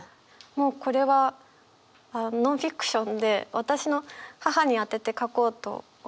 もうこれはノンフィクションで私の母に宛てて書こうと思って。